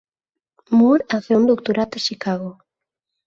Moore a fer un doctorat a Chicago.